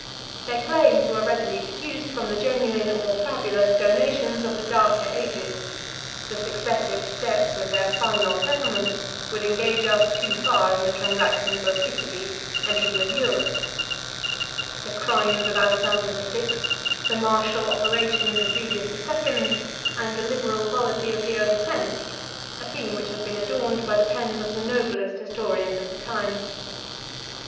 Their claims were readily deduced from the genuine, or fabulous, donations of the darker ages: the successive steps of their final settlement would engage us too far in the transactions of Italy, and even of Europe; the crimes of Alexander the Sixth, the martial operations of Julius the Second, and the liberal policy of Leo the Tenth, a theme which has been adorned by the pens of the noblest historians of the times.